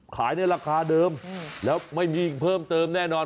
ขายในราคาเดิมแล้วไม่มีเพิ่มเติมแน่นอน